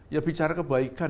ya bicara kebaikan